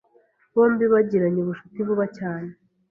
Bombi bagiranye ubucuti vuba cyane.